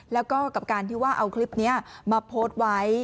แล้วก็กับการที่ว่าเอาคลิปนี้มาโพสต์ไว้